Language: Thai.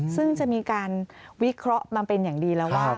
ซึ่งจะมีการวิเคราะห์มาเป็นอย่างดีแล้วว่า